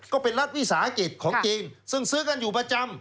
ก็เป็นรัฐวิสาหกิจของจีนซึ่งซื้อกันอยู่ประจำ